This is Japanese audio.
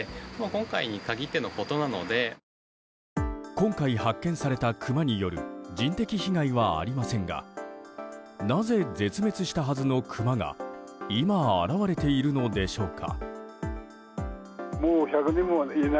今回発見されたクマによる人的被害はありませんがなぜ絶滅したはずのクマが今、現れているのでしょうか。